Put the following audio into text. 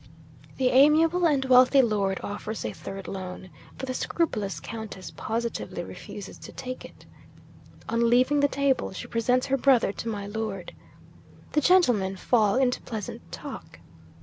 'The amiable and wealthy Lord offers a third loan; but the scrupulous Countess positively refuses to take it. On leaving the table, she presents her brother to my Lord. The gentlemen fall into pleasant talk.